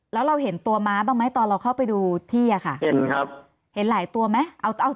แล้วเราเห็นตัวม้าบ้างไหมตอนเราเข้าไปดูที่อะค่ะเห็นครับเห็นหลายตัวไหมเอา